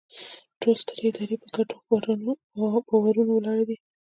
ټولې سترې ادارې په ګډو باورونو ولاړې دي.